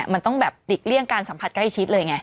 มันต้องแบบหลีกเลี่ยงการสัมผัสใกล้ชิดเลยไง